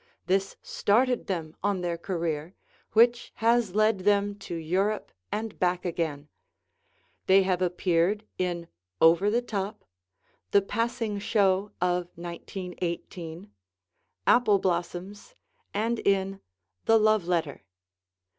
This started them on their career, which has led them to Europe and back again. They have appeared in "Over the Top," "The Passing Show of 1918," "Apple Blossoms," and in "The Love Letter."